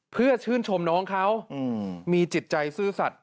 เพื่อชื่นชมน้องเขามีจิตใจซื่อสัตว